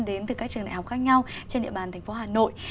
đến từ các trường đại học khác nhau trên địa bàn thành phố hà nội